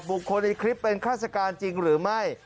คนในคลิปเป็นฆาติการจริงหรือไม่